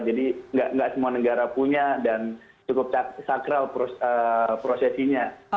jadi nggak semua negara punya dan cukup sakral prosesinya